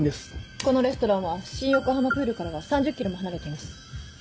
このレストランは新横浜プールからは３０ｋｍも離れています。